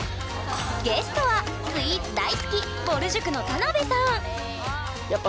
ゲストはスイーツ大好きぼる塾の田辺さん